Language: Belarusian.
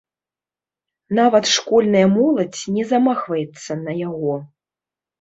Нават школьная моладзь не замахваецца на яго.